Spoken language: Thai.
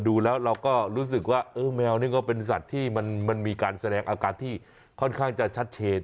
ดูแล้วเราก็รู้สึกว่าแมวนี่ก็เป็นสัตว์ที่มันมีการแสดงอาการที่ค่อนข้างจะชัดเจน